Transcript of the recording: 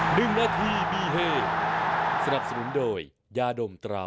โอ้โฮไม่เอาหน่า